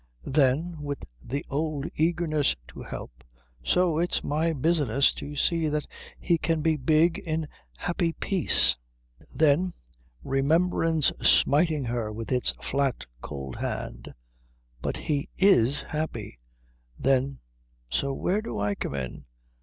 Then, with the old eagerness to help, "So it's my business to see that he can be big in happy peace." Then, remembrance smiting her with its flat, cold hand, "But he is happy." Then, "So where do I come in?"